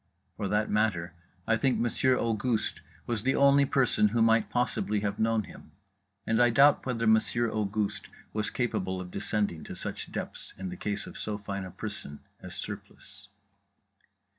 For that matter, I think Monsieur Auguste was the only person who might possibly have known him; and I doubt whether Monsieur Auguste was capable of descending to such depths in the case of so fine a person as Surplice.